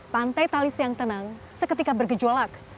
pantai talis yang tenang seketika bergejolak